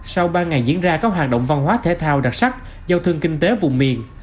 sau ba ngày diễn ra các hoạt động văn hóa thể thao đặc sắc giao thương kinh tế vùng miền